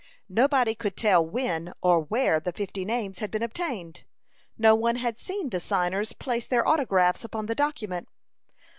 Nobody could tell when or where the fifty names had been obtained; no one had seen the signers place their autographs upon the document.